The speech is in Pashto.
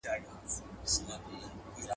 تندرستي یې زیانمنېږي.